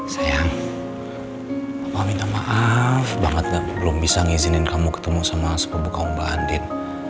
sayang papa minta maaf banget gak aku belum bisa ngizinin kamu ketemu sama sepupu kawan mbak adin